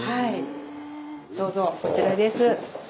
どうぞこちらです。